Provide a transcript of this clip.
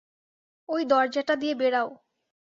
ঐ দরজাটা দিয়ে বেরাও।